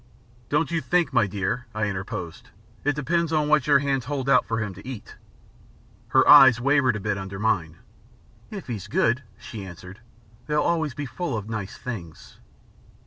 "Don't you think, my dear," I interposed, "it depends on what your hands hold out for him to eat?" Her eyes wavered a bit under mine. "If he's good," she answered, "they'll be always full of nice things."